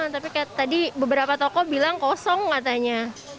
tapi tadi beberapa toko bilang kosong katanya